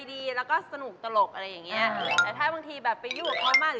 ดีแล้วได้แม่